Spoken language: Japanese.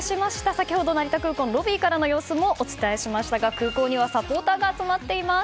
先ほど、成田空港のロビーからの様子もお伝えしましたが空港にはサポーターが集まっています。